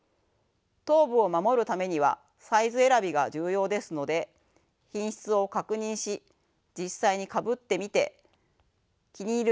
頭部を守るためにはサイズ選びが重要ですので品質を確認し実際にかぶってみて気に入る